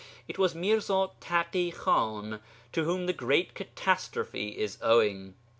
It was Mirza Taḳi Khan to whom the Great Catastrophe is owing.